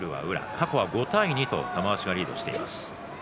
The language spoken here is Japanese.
過去は５対２と玉鷲がリードしています。